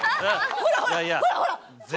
ほらほらほらほら！